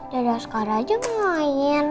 dede askara aja mau main